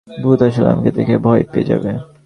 ভূত আসলে আমাকে দেখে ভয় পেয়ে যাবে।